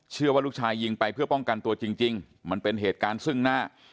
เชื่อว่าลูกชายยิงไปเพื่อป้องกันตัวจริงมันเป็นเหตุการณ์ซึ่งหน้า